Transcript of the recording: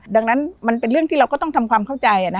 ดังนั้นมันเป็นเรื่องที่เราก็ต้องทำความเข้าใจ